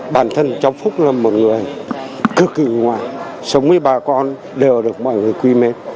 bản thân trong phúc là một người cực kỳ ngoài sống với bà con đều được mọi người quy mệnh